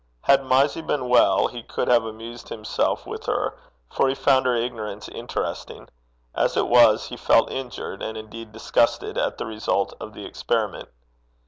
Had Mysie been well, he could have amused himself with her, for he found her ignorance interesting. As it was, he felt injured, and indeed disgusted at the result of the experiment.